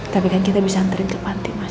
tapi kan kita bisa antri ke panti mas